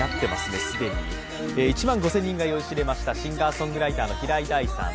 １万５０００人が酔いしれましたシンガーソングライターの平井大さん。